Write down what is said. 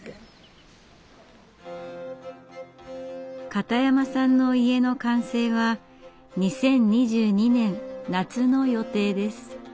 片山さんの家の完成は２０２２年夏の予定です。